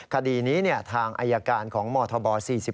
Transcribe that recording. คดีนี้เนี่ยทางอายการของหมอทบ๔๕